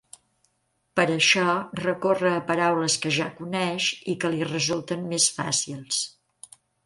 Per això, recorre a paraules que ja coneix i que li resulten més fàcils.